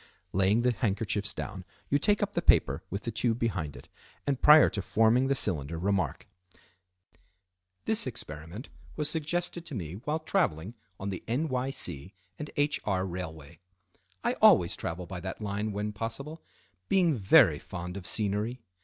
Laying the handkerchiefs down, you take up the paper with the tube behind it, and, prior to forming the cylinder, remark:—"This experiment was suggested to me while traveling on the N. Y. C. & H. R. railway. I always travel by that line when possible, being very fond of scenery.